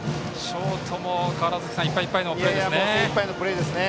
ショートもいっぱいいっぱいのプレーですね。